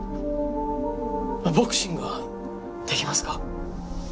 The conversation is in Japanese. ボクシングはできますか？